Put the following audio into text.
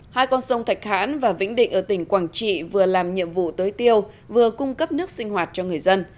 hai con sông thạch hãn và vĩnh định ở tỉnh quảng trị vừa làm nhiệm vụ tới tiêu vừa cung cấp nước sinh hoạt cho người dân